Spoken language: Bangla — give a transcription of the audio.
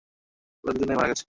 ওরা দুইজনেই মারা গেছে।